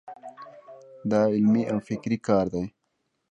دا علمي او فکري کار دی.